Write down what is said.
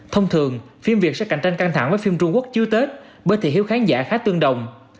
thông thường phim việt sẽ cạnh tranh căng thẳng với phim trung quốc trước tết bởi thị hiếu khán giả khá tương đồng